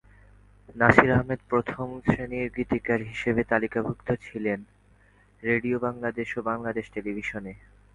নাসির আহমেদ প্রথম শ্রেণির গীতিকার হিসেবে তালিকাভুক্ত ছিলেন রেডিও বাংলাদেশ ও বাংলাদেশ টেলিভিশনে।